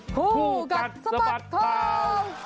ผู้กัดสะบัดทอง